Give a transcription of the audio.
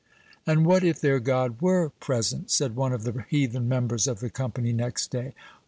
"And what if their God were present?" said one of the heathen members of the company, next day.